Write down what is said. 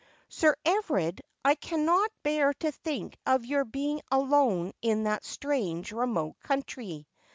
' Sir Everard, I cannot bear to think of your being alone in that strange, remote country.